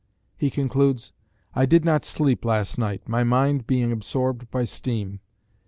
He concludes, "I did not sleep last night, my mind being absorbed by steam."